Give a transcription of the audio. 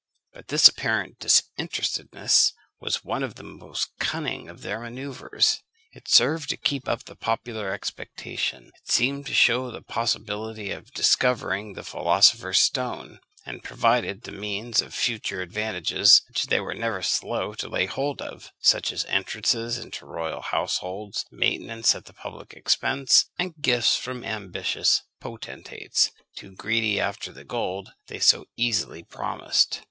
But this apparent disinterestedness was one of the most cunning of their manoeuvres. It served to keep up the popular expectation; it seemed to shew the possibility of discovering the philosopher's stone, and provided the means of future advantages, which they were never slow to lay hold of such as entrances into royal households, maintenance at the public expense, and gifts from ambitious potentates, too greedy after the gold they so easily promised.